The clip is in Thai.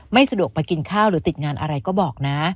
ไม่สะดวกมากินข้าวหรือติดงานอะไรก็บอกนะ